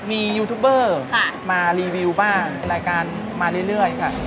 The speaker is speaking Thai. มียูทูบเบอร์มารีวิวบ้างรายการมาเรื่อยค่ะ